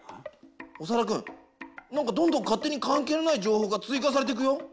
オサダくん何かどんどん勝手に関係のない情報が追加されていくよ。